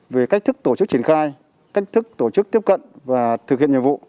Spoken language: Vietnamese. về cách thức tổ chức triển khai cách thức tổ chức tiếp cận và thực hiện nhiệm vụ